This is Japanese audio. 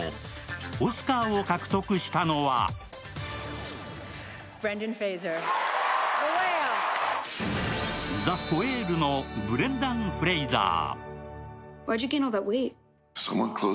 オスカーを獲得したのは「ザ・ホエール」のブレンダン・フレイザー。